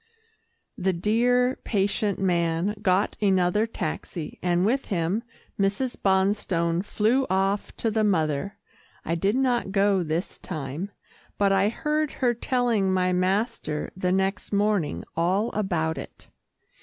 The dear, patient man got another taxi, and with him, Mrs. Bonstone flew off to the mother. I did not go this time, but I heard her telling my master the next morning all about it.